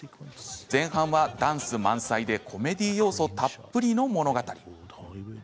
前半はダンス満載でコメディー要素たっぷりの物語。